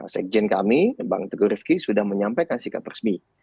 sekjen kami bang teguh rifki sudah menyampaikan sikap resmi